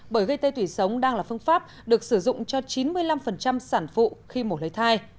bởi gây tê tủy sống đang là phương pháp được sử dụng cho chín mươi năm sản phụ khi mổ lấy thai